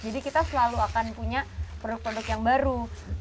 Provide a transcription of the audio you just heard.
jadi kita selalu akan punya produk produk yang baru